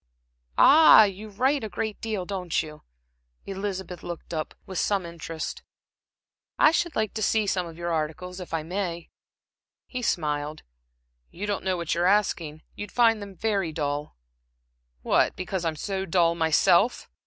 "Ah! You write a great deal, don't you?" Elizabeth looked up with some interest. "I should like to see some of your articles, if I may." He smiled. "You don't know what you're asking. You'd find them very dull." "What, because I'm so dull myself?"